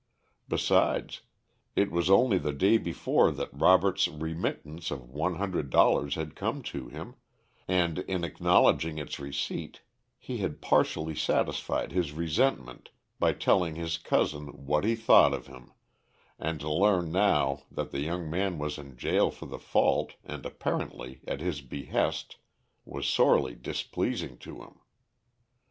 Besides, it was only the day before that Robert's remittance of one hundred dollars had come to him, and, in acknowledging its receipt, he had partially satisfied his resentment by telling his cousin "what he thought of him," and to learn now that the young man was in jail for the fault, and apparently at his behest, was sorely displeasing to him.